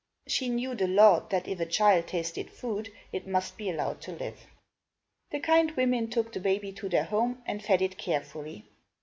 She knew the law, that if a child tasted food, it must be allowed to live. The kind women took the baby to their home and fed it carefully.